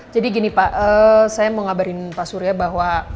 gini pak saya mau ngabarin pak surya bahwa